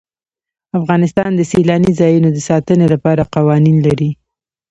افغانستان د سیلاني ځایونو د ساتنې لپاره قوانین لري.